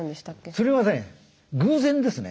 それはね偶然ですね。